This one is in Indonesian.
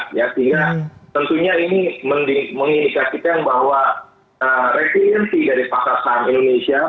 sehingga tentunya ini mengindikasikan bahwa resiliensi dari pasar saham indonesia